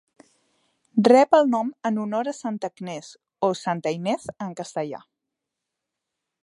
Rep el nom en honor a Santa Agnès o "Santa Ynez" en castellà.